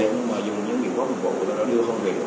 nhưng mà dùng những biện pháp phục vụ để đưa anh hưng về